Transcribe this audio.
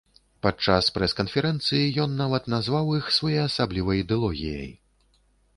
Падчас прэс-канферэнцыі ён нават назваў іх своеасаблівай дылогіяй.